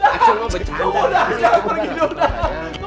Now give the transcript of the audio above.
aku mau dajar pergi dulu dang